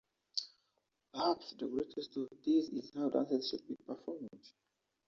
Perhaps the greatest of these is how dances should be performed.